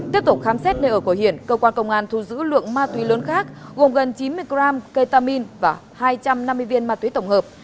tiếp tục khám xét nơi ở của hiển cơ quan công an thu giữ lượng ma túy lớn khác gồm gần chín mươi gram ketamine và hai trăm năm mươi viên ma túy tổng hợp